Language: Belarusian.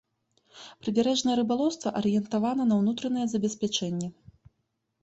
Прыбярэжнае рыбалоўства арыентавана на ўнутранае забеспячэнне.